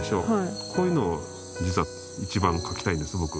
こういうのを実は一番描きたいんです僕。